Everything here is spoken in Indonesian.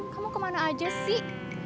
kamu kemana aja sih